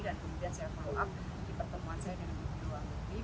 dan kemudian saya follow up di pertemuan saya dengan binti luangguri